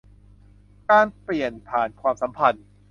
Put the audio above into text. การเปลี่ยนผ่านความสัมพันธ์